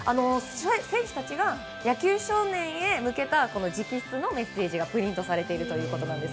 選手たちが野球少年へ向けた直筆のメッセージがプリントされていると。